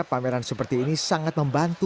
pameran seperti ini sangat membantu